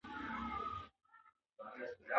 تاسو ډاډه اوسئ چې ګرمه هلوا نه سړېږي.